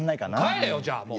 帰れよじゃあもう！